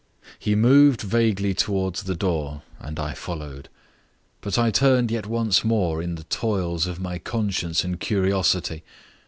He moved vaguely towards the door and I followed. But I turned yet once more in the toils of my conscience and curiosity.